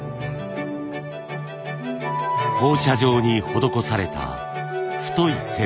放射状に施された太い線。